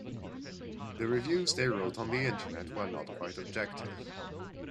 The reviews they wrote on the Internet were not quite objective.